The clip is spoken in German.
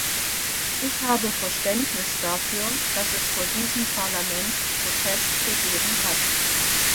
Ich habe Verständnis dafür, dass es vor diesem Parlament Protest gegeben hat.